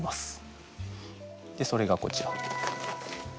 それがこちら。